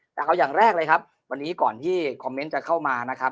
แต่เอาอย่างแรกเลยครับวันนี้ก่อนที่คอมเมนต์จะเข้ามานะครับ